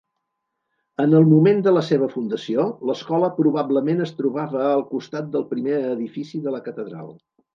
En el moment de la seva fundació, l'escola probablement es trobava al costat del primer edifici de la catedral.